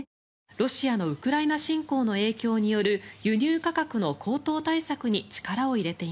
「ロシアのウクライナ侵攻の影響による輸入価格の高騰対策に力を入れています」